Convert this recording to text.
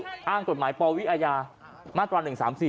อ้างกฎหมายปวิอาญามาตรา๑๓๔